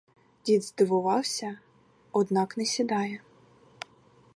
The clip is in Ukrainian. Дід здивувався, однак не сідає.